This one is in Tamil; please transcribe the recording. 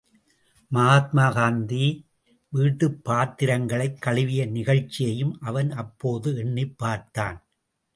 மகாத்மா காந்தி வீட்டுப்பாத்திரங்களைக் கழுவிய நிகழ்ச்சியையும் அவன் அப்போது எண்ணிப் பார்த்தான்.